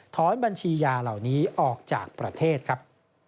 บัญชียาเหล่านี้ออกจากประเทศครับ